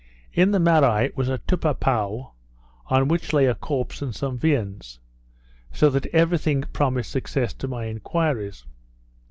In the Marai was a Tupapow, on which lay a corpse and some viands; so that every thing promised success to my enquiries.